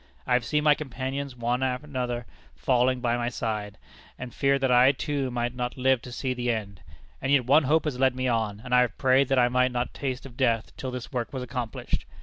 I have seen my companions one and another falling by my side, and feared that I too might not live to see the end. And yet one hope has led me on, and I have prayed that I might not taste of death till this work was accomplished.